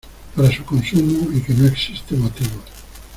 para su consumo y que no existe motivo